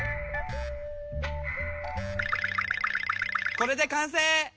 これで完成！